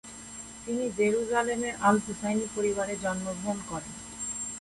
তিনি জেরুসালেমের আল-হুসাইনি পরিবারে জন্মগ্রহণ করেন।